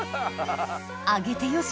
揚げてよし！